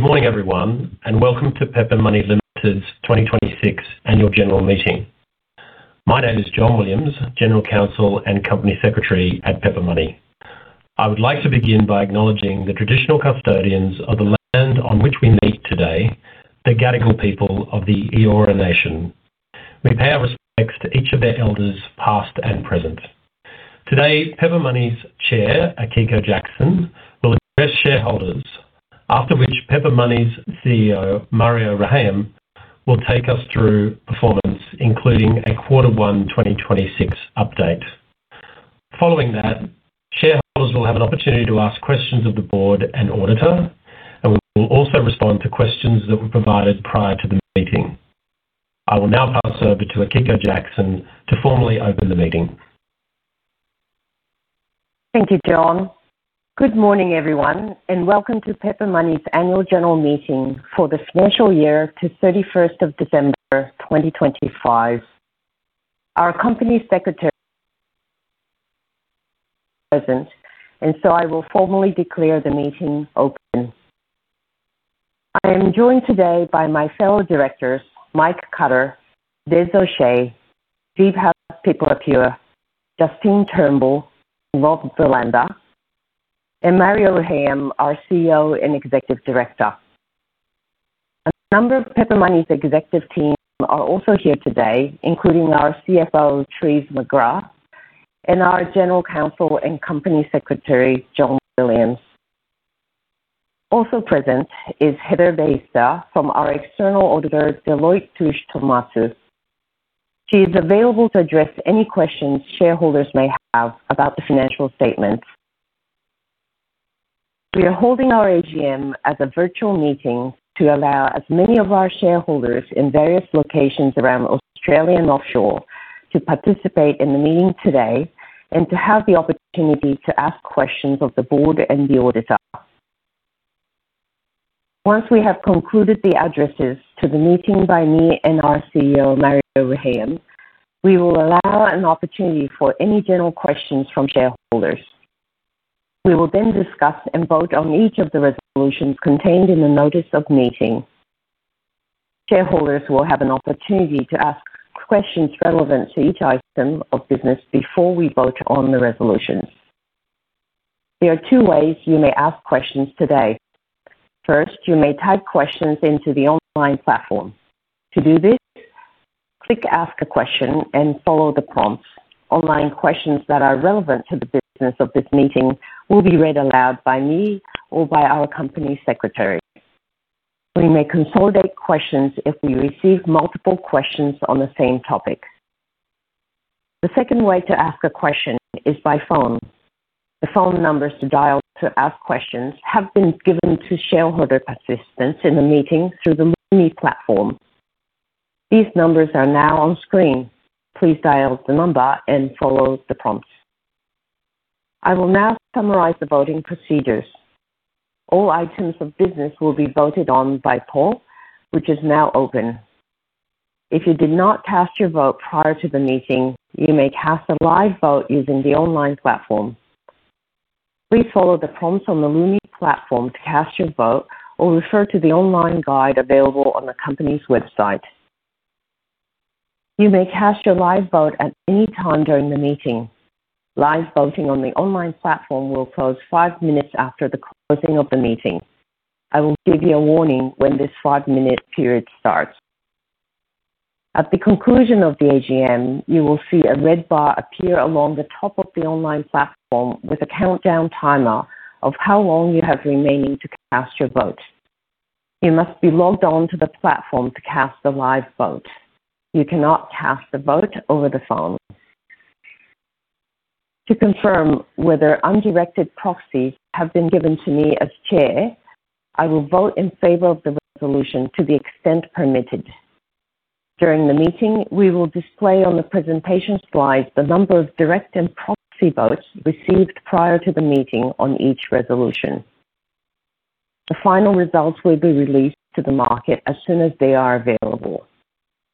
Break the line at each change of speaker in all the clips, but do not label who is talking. Good morning everyone, and welcome to Pepper Money Limited's 2026 annual general meeting. My name is John Williams, General Counsel and Company Secretary at Pepper Money. I would like to begin by acknowledging the traditional custodians of the land on which we meet today, the Gadigal people of the Eora Nation. We pay our respects to each of their elders, past and present. Today, Pepper Money's Chair, Akiko Jackson, will address shareholders, after which Pepper Money's CEO, Mario Rehayem, will take us through performance, including a quarter one 2026 update. Following that, shareholders will have an opportunity to ask questions of the board and auditor, and we will also respond to questions that were provided prior to the meeting. I will now pass over to Akiko Jackson to formally open the meeting.
Thank you, John. Good morning everyone, and welcome to Pepper Money's annual general meeting for the financial year to 31st of December 2025. Our company secretary is present, and so I will formally declare the meeting open. I am joined today by my fellow directors, Mike Cutter, Des O'Shea, Deepal Peiris, Justine Turnbull, Rob Verlander, and Mario Rehayem, our CEO and Executive Director. A number of Pepper Money's Executive Team are also here today, including our CFO, Therese McGrath, and our General Counsel and Company Secretary, John Williams. Also present is Heather Baister from our external auditor, Deloitte Touche Tohmatsu. She is available to address any questions shareholders may have about the financial statements. We are holding our AGM as a virtual meeting to allow as many of our shareholders in various locations around Australia and offshore to participate in the meeting today and to have the opportunity to ask questions of the board and the auditor. Once we have concluded the addresses to the meeting by me and our CEO, Mario Rehayem, we will allow an opportunity for any general questions from shareholders. We will then discuss and vote on each of the resolutions contained in the notice of meeting. Shareholders will have an opportunity to ask questions relevant to each item of business before we vote on the resolutions. There are two ways you may ask questions today. First, you may type questions into the online platform. To do this, click Ask a Question and follow the prompts. Online questions that are relevant to the business of this meeting will be read aloud by me or by our company secretary. We may consolidate questions if we receive multiple questions on the same topic. The second way to ask a question is by phone. The phone numbers to dial to ask questions have been given to shareholder assistants in the meeting through the Lumi platform. These numbers are now on screen. Please dial the number and follow the prompts. I will now summarize the voting procedures. All items of business will be voted on by poll, which is now open. If you did not cast your vote prior to the meeting, you may cast a live vote using the online platform. Please follow the prompts on the Lumi platform to cast your vote or refer to the online guide available on the company's website. You may cast your live vote at any time during the meeting. Live voting on the online platform will close five minutes after the closing of the meeting. I will give you a warning when this five-minute period starts. At the conclusion of the AGM, you will see a red bar appear along the top of the online platform with a countdown timer of how long you have remaining to cast your vote. You must be logged on to the platform to cast a live vote. You cannot cast a vote over the phone. To confirm whether undirected proxies have been given to me as Chair, I will vote in favor of the resolution to the extent permitted. During the meeting, we will display on the presentation slide the number of direct and proxy votes received prior to the meeting on each resolution. The final results will be released to the market as soon as they are available.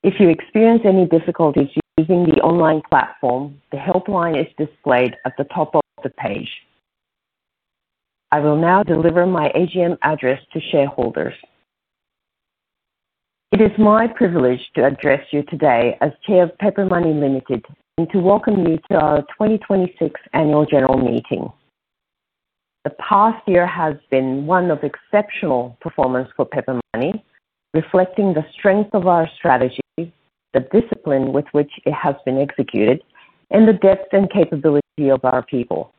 If you experience any difficulties using the online platform, the helpline is displayed at the top of the page. I will now deliver my AGM address to shareholders. It is my privilege to address you today as Chair of Pepper Money Limited and to welcome you to our 2026 annual general meeting. The past year has been one of exceptional performance for Pepper Money, reflecting the strength of our strategy, the discipline with which it has been executed, and the depth and capability of our people.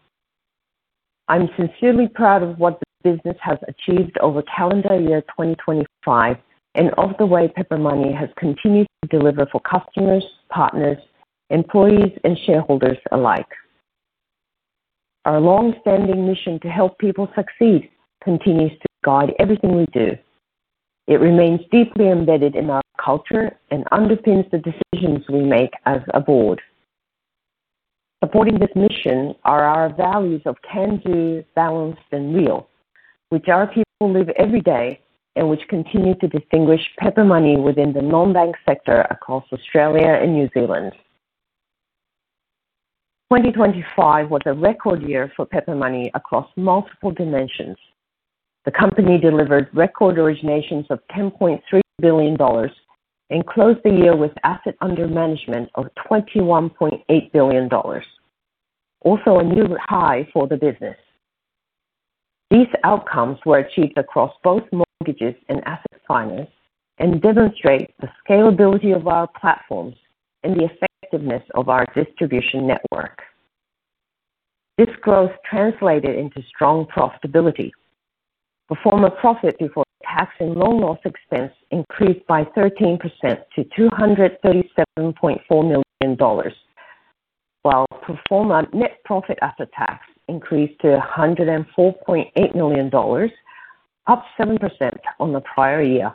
I'm sincerely proud of what the business has achieved over calendar year 2025 and of the way Pepper Money has continued to deliver for customers, partners, employees, and shareholders alike. Our long-standing mission to help people succeed continues to guide everything we do. It remains deeply embedded in our culture and underpins the decisions we make as a board. Supporting this mission are our values of can-do, balance, and real, which our people live every day and which continue to distinguish Pepper Money within the non-bank sector across Australia and New Zealand. 2025 was a record year for Pepper Money across multiple dimensions. The company delivered record originations of 10.3 billion dollars and closed the year with assets under management of 21.8 billion dollars. Also a new high for the business. These outcomes were achieved across both mortgages and asset finance, and demonstrate the scalability of our platforms and the effectiveness of our distribution network. This growth translated into strong profitability. Profit before tax and loan loss expense increased by 13% to 237.4 million dollars, while pro forma net profit after tax increased to 104.8 million dollars, up 7% on the prior year.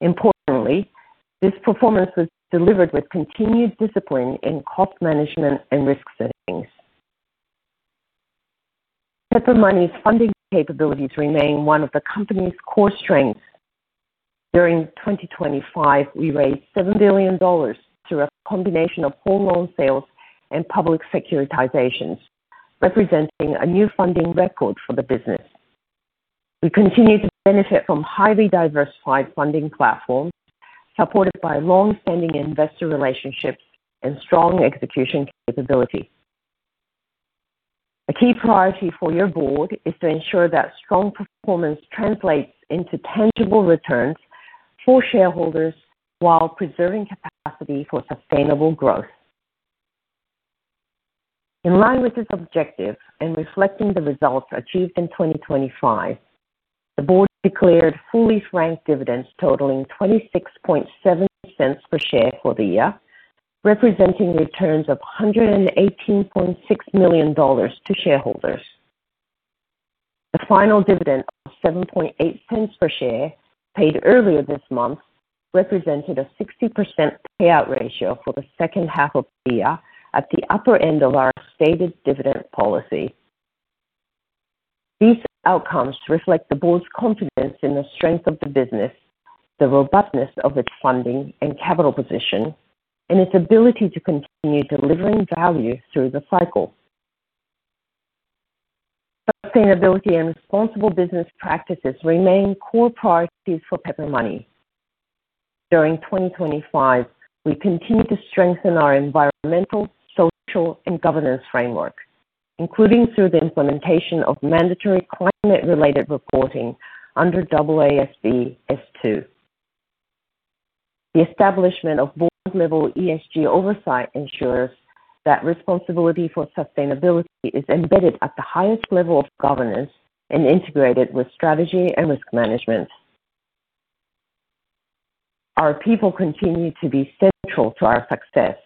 Importantly, this performance was delivered with continued discipline in cost management and risk settings. Pepper Money's funding capabilities remain one of the company's core strengths. During 2025, we raised 7 billion dollars through a combination of whole loan sales and public securitizations, representing a new funding record for the business. We continue to benefit from highly diversified funding platforms, supported by long-standing investor relationships and strong execution capability. A key priority for your board is to ensure that strong performance translates into tangible returns for shareholders while preserving capacity for sustainable growth. In line with this objective and reflecting the results achieved in 2025, the board declared fully franked dividends totaling 0.267 per share for the year, representing returns of 118.6 million dollars to shareholders. The final dividend of 0.078 per share paid earlier this month represented a 60% payout ratio for the second half of the year at the upper end of our stated dividend policy. These outcomes reflect the board's confidence in the strength of the business, the robustness of its funding and capital position, and its ability to continue delivering value through the cycle. Sustainability and responsible business practices remain core priorities for Pepper Money. During 2025, we continued to strengthen our environmental, social, and governance framework, including through the implementation of mandatory climate-related reporting under AASB S2. The establishment of board-level ESG oversight ensures that responsibility for sustainability is embedded at the highest level of governance and integrated with strategy and risk management. Our people continue to be central to our success.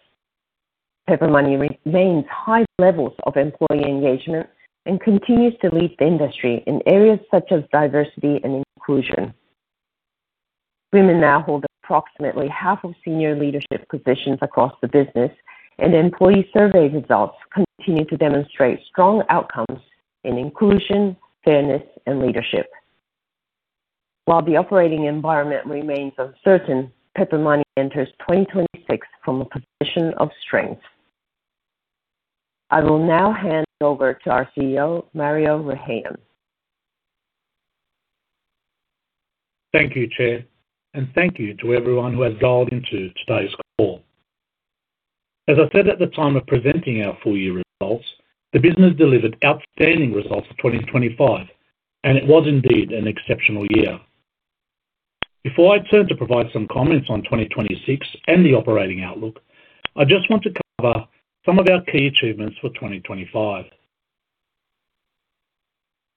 Pepper Money maintains high levels of employee engagement and continues to lead the industry in areas such as diversity and inclusion. Women now hold approximately half of senior leadership positions across the business, and employee survey results continue to demonstrate strong outcomes in inclusion, fairness, and leadership. While the operating environment remains uncertain, Pepper Money enters 2026 from a position of strength. I will now hand over to our CEO, Mario Rehayem.
Thank you, Chair, and thank you to everyone who has dialed into today's call. As I said at the time of presenting our full year results, the business delivered outstanding results for 2025, and it was indeed an exceptional year. Before I turn to provide some comments on 2026 and the operating outlook, I just want to cover some of our key achievements for 2025.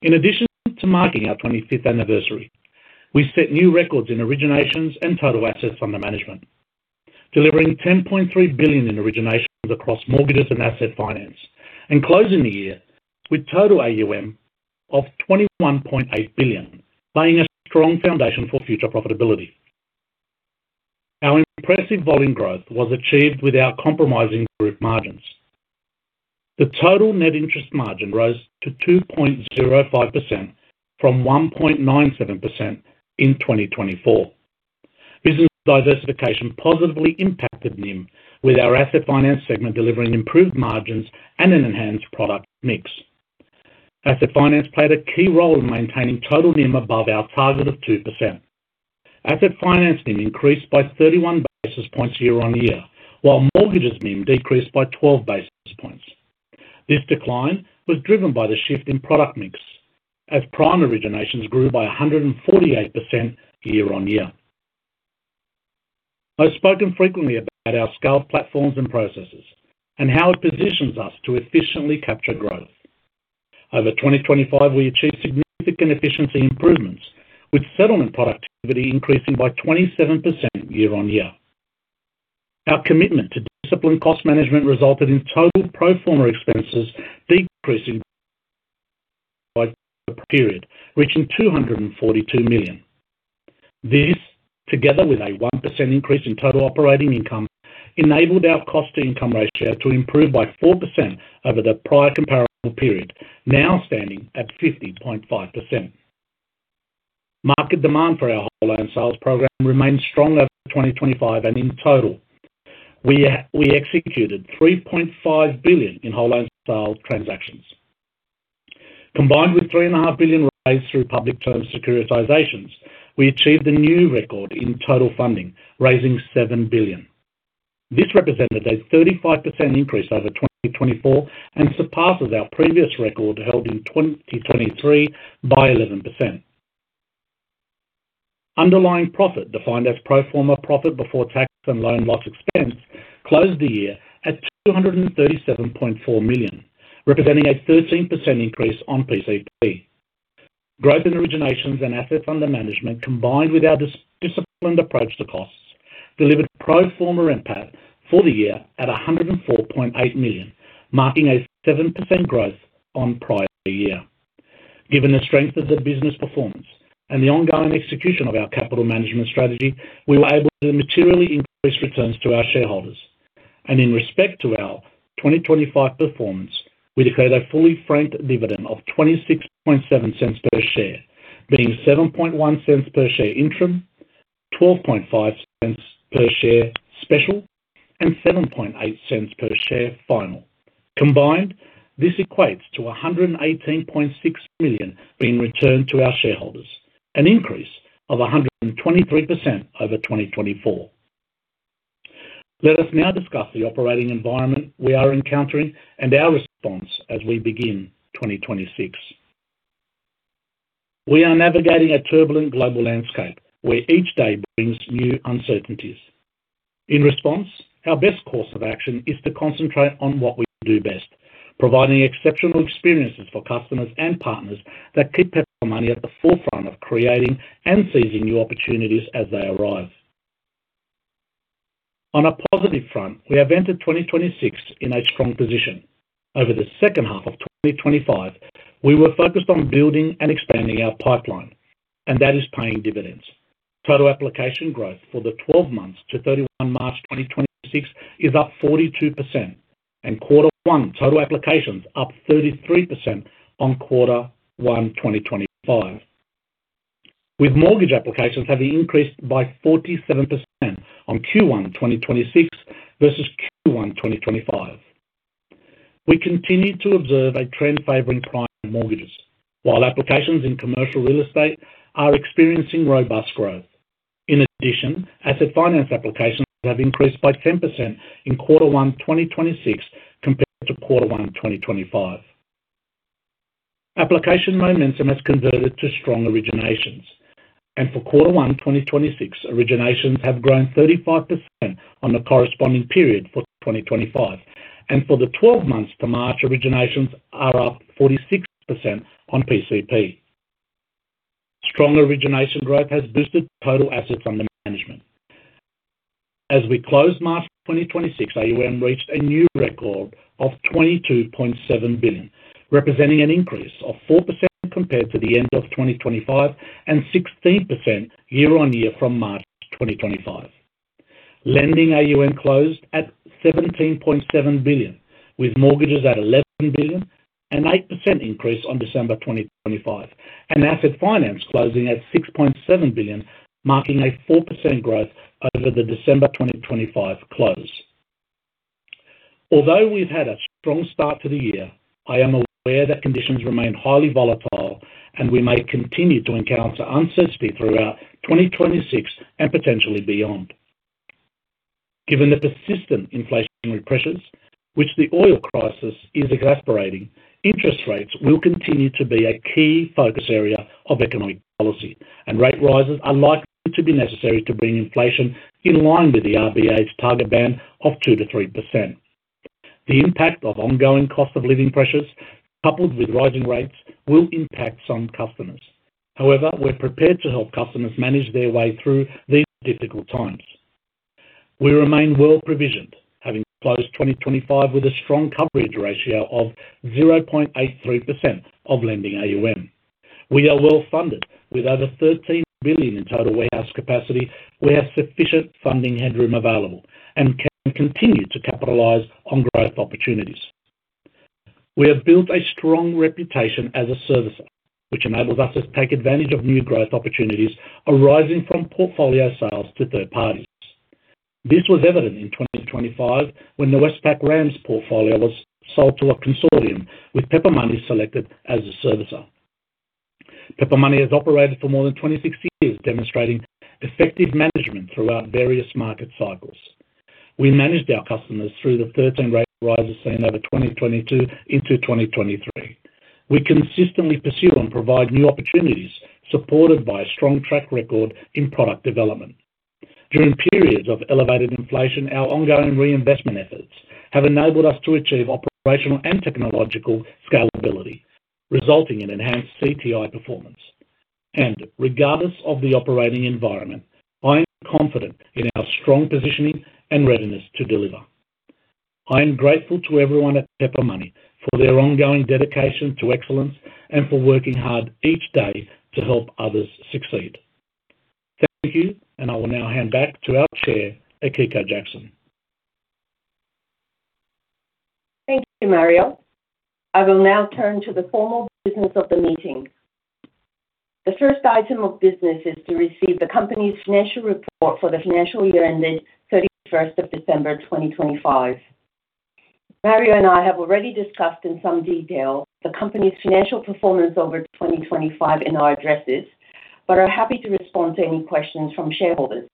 In addition to marking our 25th anniversary, we set new records in originations and total assets under management, delivering 10.3 billion in originations across mortgages and asset finance, and closing the year with total AUM of 21.8 billion, laying a strong foundation for future profitability. Our impressive volume growth was achieved without compromising group margins. The total net interest margin rose to 2.05% from 1.97% in 2024. Business diversification positively impacted NIM, with our asset finance segment delivering improved margins and an enhanced product mix. Asset finance played a key role in maintaining total NIM above our target of 2%. Asset finance NIM increased by 31 basis points year-over-year, while mortgages NIM decreased by 12 basis points. This decline was driven by the shift in product mix as prime originations grew by 148% year-over-year. I've spoken frequently about our scaled platforms and processes and how it positions us to efficiently capture growth. Over 2025, we achieved significant efficiency improvements, with settlement productivity increasing by 27% year-over-year. Our commitment to disciplined cost management resulted in total pro forma expenses decreasing for the period, reaching 242 million. This, together with a 1% increase in total operating income, enabled our cost to income ratio to improve by 4% over the prior comparable period, now standing at 50.5%. Market demand for our whole loan sales program remained strong over 2025, and in total, we executed 3.5 billion in whole loan sale transactions. Combined with 3.5 billion raised through public term securitizations, we achieved a new record in total funding, raising 7 billion. This represented a 35% increase over 2024 and surpasses our previous record, held in 2023, by 11%. Underlying profit, defined as pro forma profit before tax and loan loss expense, closed the year at 237.4 million, representing a 13% increase on PCP. Growth in originations and asset fund management, combined with our disciplined approach to costs, delivered pro forma NPAT for the year at 104.8 million, marking a 7% growth on prior year. Given the strength of the business performance and the ongoing execution of our capital management strategy, we were able to materially increase returns to our shareholders. In respect to our 2025 performance, we declared a fully franked dividend of 0.267 per share, being 0.071 per share interim, 0.125 per share special, and 0.078 per share final. Combined, this equates to 118.6 million being returned to our shareholders, an increase of 123% over 2024. Let us now discuss the operating environment we are encountering and our response as we begin 2026. We are navigating a turbulent global landscape where each day brings new uncertainties. In response, our best course of action is to concentrate on what we do best, providing exceptional experiences for customers and partners that keep Pepper Money at the forefront of creating and seizing new opportunities as they arise. On a positive front, we have entered 2026 in a strong position. Over the second half of 2025, we were focused on building and expanding our pipeline, and that is paying dividends. Total application growth for the 12 months to 31 March 2026 is up 42%, and quarter one total applications up 33% on quarter one 2025, with mortgage applications having increased by 47% on Q1 2026 versus Q1 2025. We continue to observe a trend favoring client mortgages, while applications in commercial real estate are experiencing robust growth. In addition, asset finance applications have increased by 10% in quarter one 2026 compared to quarter one 2025. Application momentum has converted to strong originations, and for quarter one 2026, originations have grown 35% on the corresponding period for 2025. For the 12 months to March, originations are up 46% on PCP. Strong origination growth has boosted total assets under management. As we closed March 2026, AUM reached a new record of 22.7 billion, representing an increase of 4% compared to the end of 2025 and 16% year-on-year from March 2025. Lending AUM closed at 17.7 billion, with mortgages at 11 billion, an 8% increase on December 2025, and asset finance closing at 6.7 billion, marking a 4% growth over the December 2025 close. Although we've had a strong start to the year, I am aware that conditions remain highly volatile and we may continue to encounter uncertainty throughout 2026 and potentially beyond. Given the persistent inflationary pressures, which the oil crisis is exacerbating, interest rates will continue to be a key focus area of economic policy, and rate rises are likely to be necessary to bring inflation in line with the RBA's target band of 2%-3%. The impact of ongoing cost of living pressures, coupled with rising rates, will impact some customers. However, we're prepared to help customers manage their way through these difficult times. We remain well provisioned, having closed 2025 with a strong coverage ratio of 0.83% of lending AUM. We are well funded with over 13 billion in total warehouse capacity. We have sufficient funding headroom available and can continue to capitalize on growth opportunities. We have built a strong reputation as a servicer, which enables us to take advantage of new growth opportunities arising from portfolio sales to third parties. This was evident in 2025 when the Westpac RAMS portfolio was sold to a consortium with Pepper Money selected as the servicer. Pepper Money has operated for more than 26 years, demonstrating effective management throughout various market cycles. We managed our customers through the 13 rate rises seen over 2022 into 2023. We consistently pursue and provide new opportunities supported by a strong track record in product development. During periods of elevated inflation, our ongoing reinvestment efforts have enabled us to achieve operational and technological scalability, resulting in enhanced CTI performance. Regardless of the operating environment, I am confident in our strong positioning and readiness to deliver. I am grateful to everyone at Pepper Money for their ongoing dedication to excellence and for working hard each day to help others succeed. Thank you, and I will now hand back to our Chair, Akiko Jackson.
Thank you, Mario. I will now turn to the formal business of the meeting. The first item of business is to receive the company's financial report for the financial year ended 31st of December 2025. Mario and I have already discussed in some detail the company's financial performance over 2025 in our addresses, but are happy to respond to any questions from shareholders.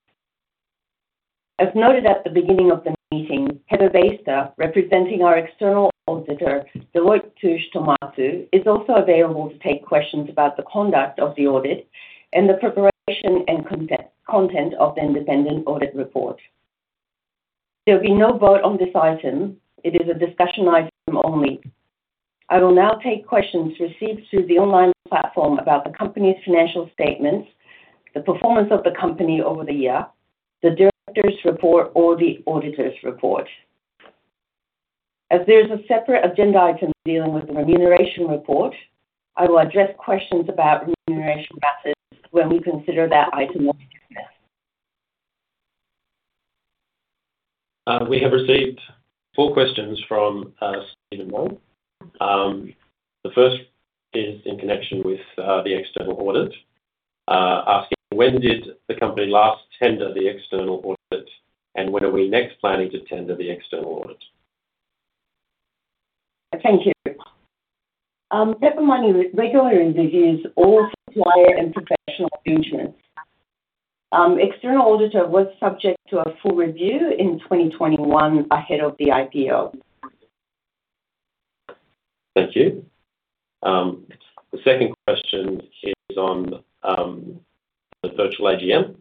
As noted at the beginning of the meeting, Heather Baister, representing our external auditor, Deloitte Touche Tohmatsu, is also available to take questions about the conduct of the audit and the preparation and content of the independent audit report. There will be no vote on this item. It is a discussion item only. I will now take questions received through the online platform about the company's financial statements, the performance of the company over the year, the directors' report or the auditors' report. As there is a separate agenda item dealing with the remuneration report, I will address questions about remuneration methods when we consider that item afterwards.
We have received four questions from Stephen Mayne. The first is in connection with the external audit, asking, "When did the company last tender the external audit, and when are we next planning to tender the external audit?
Thank you. Pepper Money regularly reviews all supplier and professional arrangements. External auditor was subject to a full review in 2021 ahead of the IPO.
Thank you. The second question is on the virtual AGM.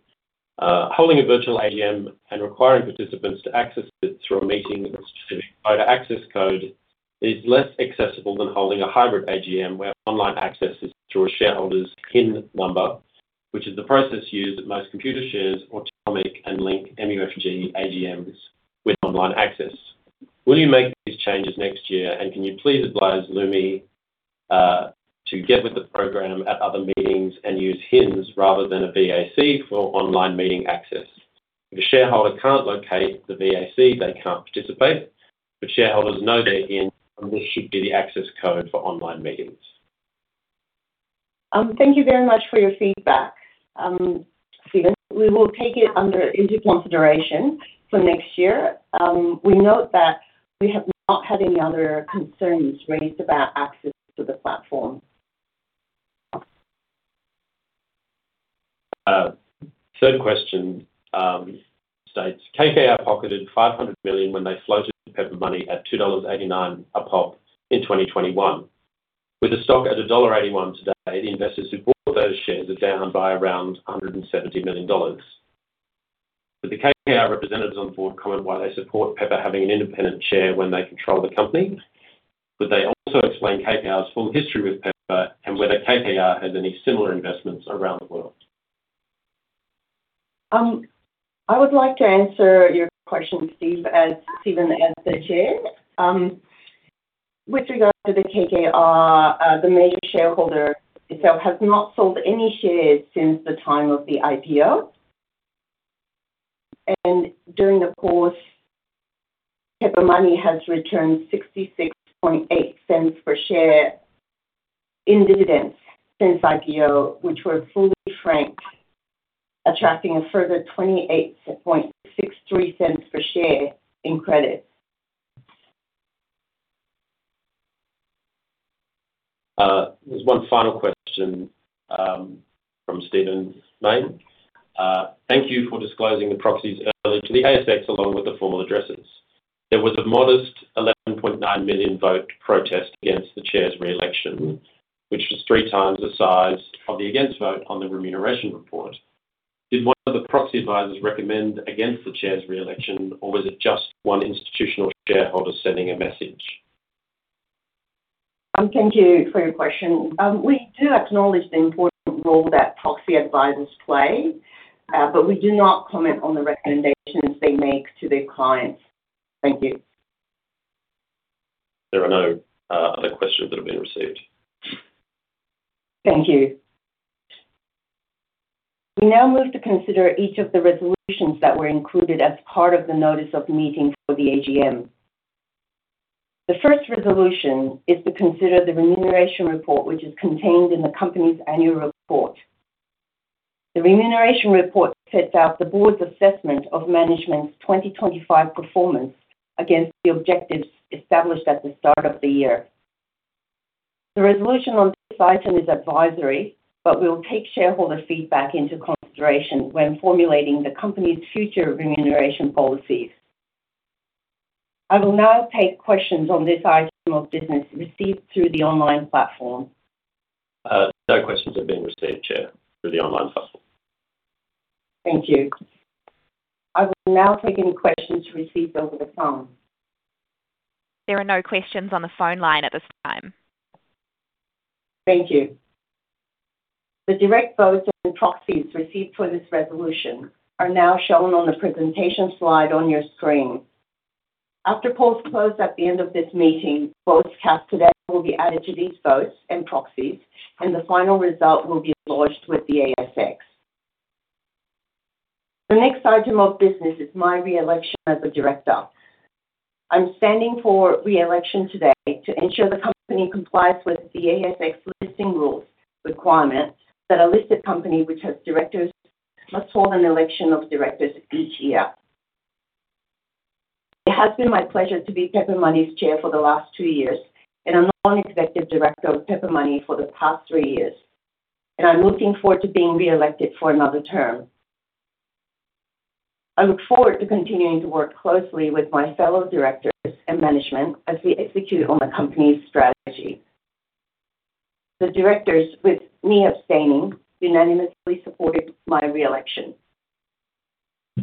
"Holding a virtual AGM and requiring participants to access it through a meeting-specific voter access code is less accessible than holding a hybrid AGM where online access is through a shareholder's PIN number, which is the process used at most Computershare, Automic and Link MUFG AGMs with online access. Will you make these changes next year, and can you please advise Lumi to get with the program at other meetings and use HINs rather than a VAC for online meeting access? If a shareholder can't locate the VAC, they can't participate, but shareholders know their HIN, and this should be the access code for online meetings.
Thank you very much for your feedback, Stephen. We will take it into consideration for next year. We note that we have not had any other concerns raised about access to the platform.
Third question states, "KKR pocketed 500 million when they floated Pepper Money at 2.89 dollars a pop in 2021. With the stock at dollar 1.81 today, the investors who bought those shares are down by around 170 million dollars. Would the KKR representatives on board comment why they support Pepper having an independent chair when they control the company? Would they also explain KKR's full history with Pepper and whether KKR has any similar investments around the world?
I would like to answer your question, Stephen, as the Chair. With regard to the KKR, the major shareholder itself has not sold any shares since the time of the IPO. During the course, Pepper Money has returned 0.668 per share in dividends since IPO, which were fully franked, attracting a further 0.2863 per share in credit.
There's one final question from Stephen Mayne. "Thank you for disclosing the proxies early to the ASX along with the formal addresses. There was a modest 11.9 million vote protest against the Chair's re-election, which was three times the size of the against vote on the remuneration report. Did one of the proxy advisors recommend against the Chair's re-election, or was it just one institutional shareholder sending a message?
Thank you for your question. We do acknowledge the important role that proxy advisors play, but we do not comment on the recommendations they make to their clients. Thank you.
There are no other questions that have been received.
Thank you. We now move to consider each of the resolutions that were included as part of the notice of meeting for the AGM. The first resolution is to consider the remuneration report which is contained in the company's annual report. The remuneration report sets out the board's assessment of management's 2025 performance against the objectives established at the start of the year. The resolution on this item is advisory, but we will take shareholder feedback into consideration when formulating the company's future remuneration policies. I will now take questions on this item of business received through the online platform.
No questions have been received, Chair, through the online platform.
Thank you. I will now take any questions received over the phone.
There are no questions on the phone line at this time.
Thank you. The direct votes and proxies received for this resolution are now shown on the presentation slide on your screen. After polls close at the end of this meeting, votes cast today will be added to these votes and proxies, and the final result will be lodged with the ASX. The next item of business is my re-election as a director. I'm standing for re-election today to ensure the company complies with the ASX listing rules requirement that a listed company which has directors must hold an election of directors each year. It has been my pleasure to be Pepper Money's chair for the last two years, and a non-executive director of Pepper Money for the past three years, and I'm looking forward to being re-elected for another term. I look forward to continuing to work closely with my fellow directors and management as we execute on the company's strategy. The directors, with me abstaining, unanimously supported my re-election.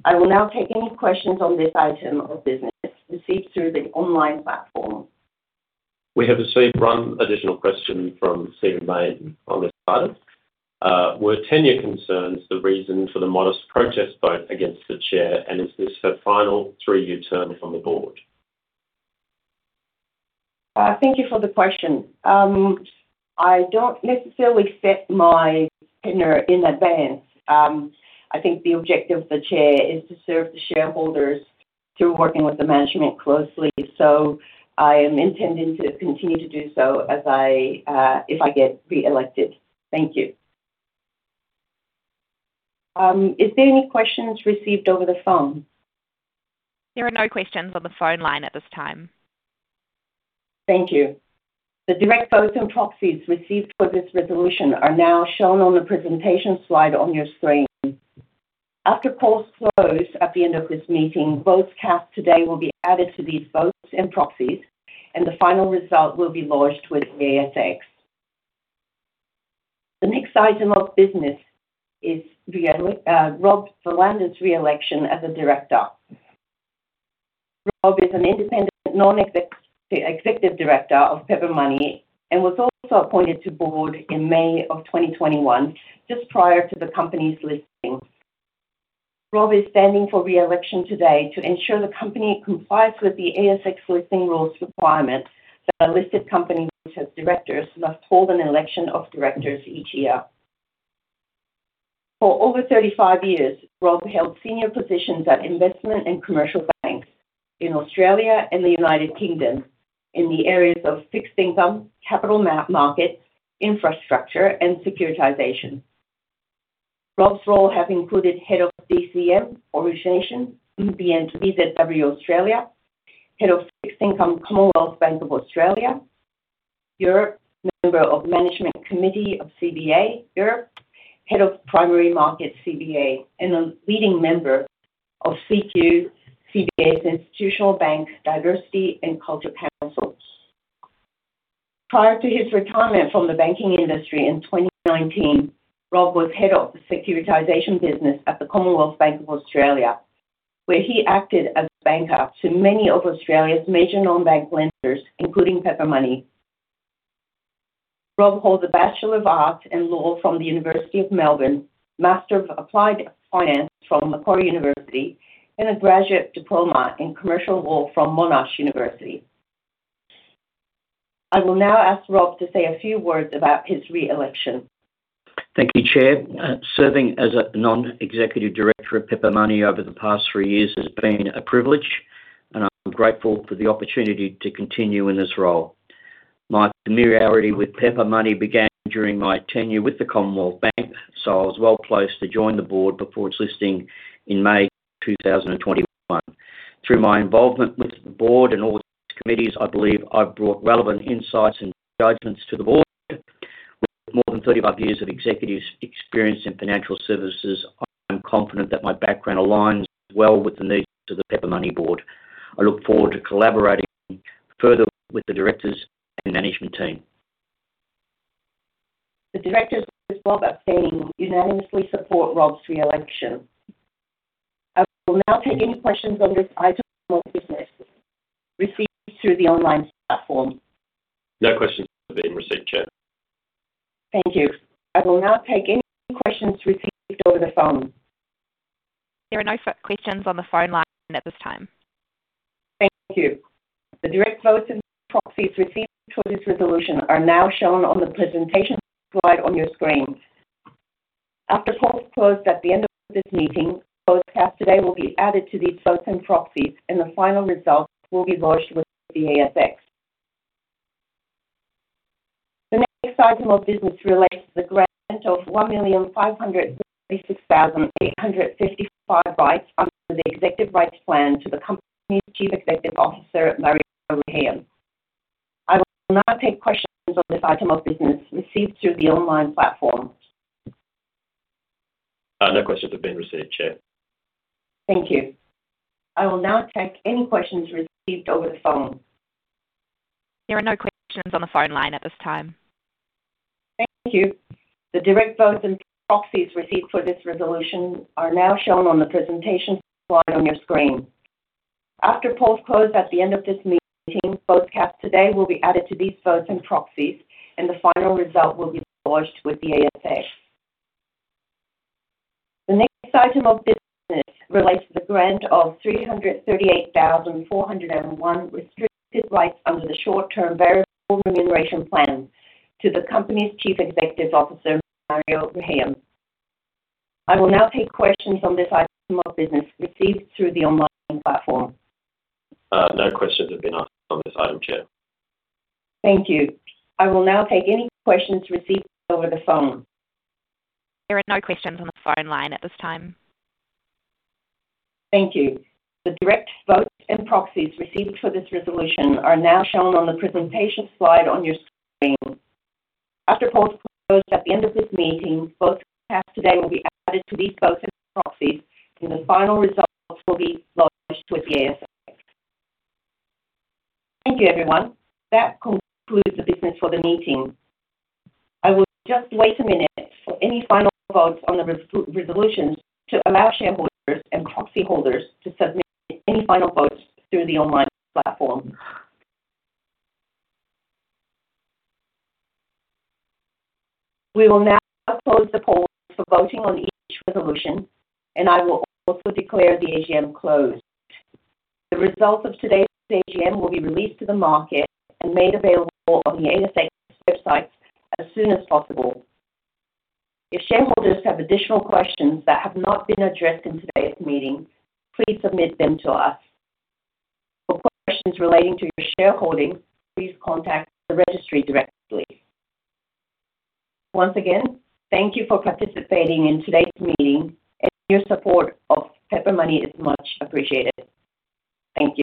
I will now take any questions on this item of business received through the online platform.
We have received one additional question from Stephen Mayne on this item. Were tenure concerns the reason for the modest protest vote against the chair, and is this her final three-year term on the board?
Thank you for the question. I don't necessarily set my tenure in advance. I think the objective of the chair is to serve the shareholders through working with the management closely. I am intending to continue to do so if I get re-elected. Thank you. Is there any questions received over the phone?
There are no questions on the phone line at this time.
Thank you. The direct votes and proxies received for this resolution are now shown on the presentation slide on your screen. After polls close at the end of this meeting, votes cast today will be added to these votes and proxies, and the final result will be lodged with the ASX. The next item of business is Rob Verlander's re-election as a director. Rob is an independent non-executive director of Pepper Money and was also appointed to the board in May of 2021, just prior to the company's listing. Rob is standing for re-election today to ensure the company complies with the ASX listing rules requirement that a listed company which has directors must hold an election of directors each year. For over 35 years, Rob held senior positions at investment and commercial banks in Australia and the United Kingdom in the areas of fixed income, capital markets, infrastructure, and securitization. Rob's roles have included Head of DCM, Origination, UBS, New Zealand, Australia, Head of Fixed Income, Commonwealth Bank of Australia, Europe, member of Management Committee of CBA Europe, Head of Primary Markets, CBA, and a leading member of CQ, CBA's Institutional Banks Diversity and Culture Council. Prior to his retirement from the banking industry in 2019, Rob was head of the securitization business at the Commonwealth Bank of Australia, where he acted as banker to many of Australia's major non-bank lenders, including Pepper Money. Rob holds a Bachelor of Arts and Law from The University of Melbourne, Master of Applied Finance from Macquarie University, and a Graduate Diploma in Commercial Law from Monash University. I will now ask Rob to say a few words about his re-election.
Thank you, Chair. Serving as a non-executive director of Pepper Money over the past three years has been a privilege, and I'm grateful for the opportunity to continue in this role. My familiarity with Pepper Money began during my tenure with the Commonwealth Bank, so I was well-placed to join the board before its listing in May 2021. Through my involvement with the board and all its committees, I believe I've brought relevant insights and judgments to the board. With more than 35 years of executive experience in financial services, I'm confident that my background aligns well with the needs of the Pepper Money board. I look forward to collaborating further with the directors and management team.
The directors, with Rob abstaining, unanimously support Rob's re-election. I will now take any questions on this item of business received through the online platform.
No questions have been received, Chair.
Thank you. I will now take any questions received over the phone.
There are no questions on the phone line at this time.
Thank you. The direct votes and proxies received for this resolution are now shown on the presentation slide on your screen. After polls close at the end of this meeting,
No questions have been asked on this item, Chair.
Thank you. I will now take any questions received over the phone.
There are no questions on the phone line at this time.
Thank you. The direct votes and proxies received for this resolution are now shown on the presentation slide on your screen. After polls close at the end of this meeting, votes cast today will be added to these votes and proxies, and the final results will be lodged with the ASX. Thank you, everyone. That concludes the business for the meeting. I will just wait a minute for any final votes on the resolutions to allow shareholders and proxy holders to submit any final votes through the online platform. We will now close the polls for voting on each resolution, and I will also declare the AGM closed. The results of today's AGM will be released to the market and made available on the ASX website as soon as possible. If shareholders have additional questions that have not been addressed in today's meeting, please submit them to us. For questions relating to your shareholding, please contact the registry directly. Once again, thank you for participating in today's meeting and your support of Pepper Money is much appreciated. Thank you.